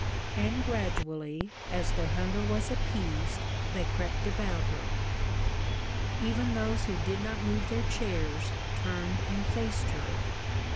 And gradually, as their hunger was appeased, they crept about her. Even those who did not move their chairs turned and faced her.